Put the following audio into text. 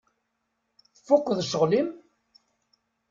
Tfukkeḍ ccɣel-im?